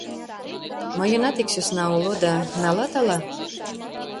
Мыйынат ик сӧсна уло да, налат ала.